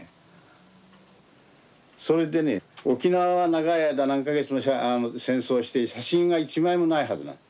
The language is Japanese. それでね沖縄は長い間何か月も戦争して写真が一枚もないはずなんだ。